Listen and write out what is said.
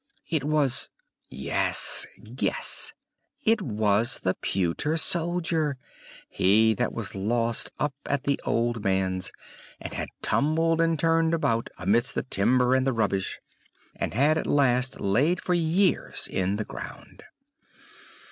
It was yes, guess! It was the pewter soldier, he that was lost up at the old man's, and had tumbled and turned about amongst the timber and the rubbish, and had at last laid for many years in the ground.